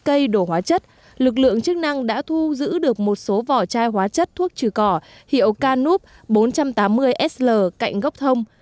cây đổ hóa chất lực lượng chức năng đã thu giữ được một số vỏ chai hóa chất thuốc trừ cỏ hiệu canup bốn trăm tám mươi sl cạnh gốc thông